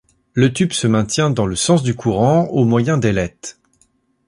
Le tube se maintient dans le sens du courant au moyen d'ailettes.